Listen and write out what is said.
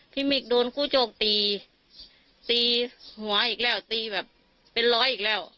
มิกโดนคู่โจกตีตีหัวอีกแล้วตีแบบเป็นร้อยอีกแล้ว